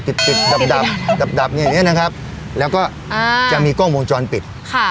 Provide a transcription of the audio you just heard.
ติดติดดับดับดับดับอย่างเงี้นะครับแล้วก็อ่าจะมีกล้องวงจรปิดค่ะ